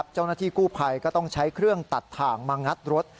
เจ้าหน้าที่กู้ภัยก็ต้องใช้เครื่องตัดถ่างมางัดรถ